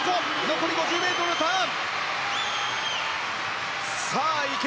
残り５０ｍのターン。